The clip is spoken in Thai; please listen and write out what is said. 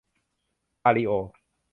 ปาลิโอ